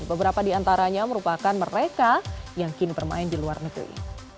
beberapa di antaranya merupakan mereka yang kini bermain di luar negeri